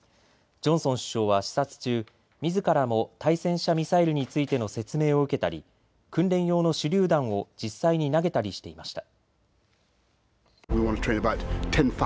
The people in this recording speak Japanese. ジョンソン首相は視察中、みずからも対戦車ミサイルについての説明を受けたり訓練用の手りゅう弾を実際に投げたりしていました。